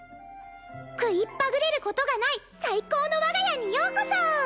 食いっぱぐれることがない最高の我が家にようこそ！